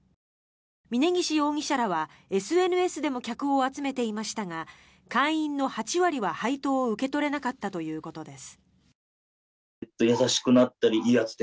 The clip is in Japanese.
峯岸容疑者らはＳＮＳでも客を集めていましたが会員の８割は配当を受け取れなかったということです。